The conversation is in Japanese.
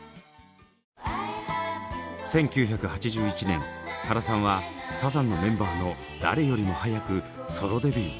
１９８１年原さんはサザンのメンバーの誰よりも早くソロデビュー。